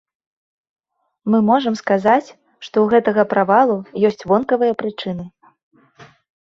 Мы можам сказаць, што ў гэтага правалу ёсць вонкавыя прычыны.